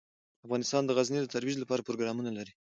افغانستان د غزني د ترویج لپاره پروګرامونه لري.